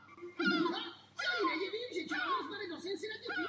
Zapojil se do aktivit svého bratra a spolu s ním se stal členem Lechi.